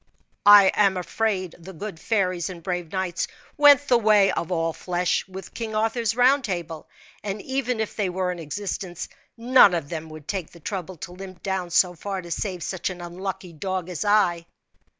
"I am afraid the good fairies and brave knights went the way of all flesh with King Arthur's round table; and even if they were in existence, none of them would take the trouble to limp down so far to save such an unlucky dog as I."